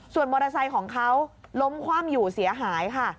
ส่วนมอเตอร์ไซค์ของเขาล้มคว่ำอยู่เสียหายค่ะ